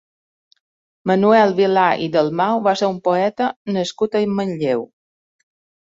Manuel Vilà i Dalmau va ser un poeta nascut a Manlleu.